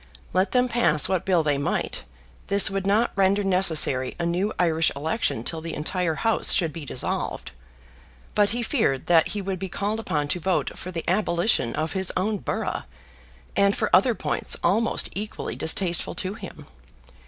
Let them pass what bill they might, this would not render necessary a new Irish election till the entire House should be dissolved. But he feared that he would be called upon to vote for the abolition of his own borough, and for other points almost equally distasteful to him.